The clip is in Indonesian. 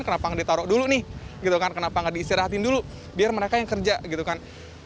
kenapa nggak ditaruh dulu nih gitu kan kenapa nggak diistirahatin dulu biar mereka yang kerja gitu kan